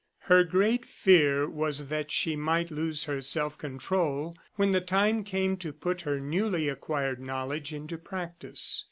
Her great fear was that she might lose her self control when the time came to put her newly acquired knowledge into practice.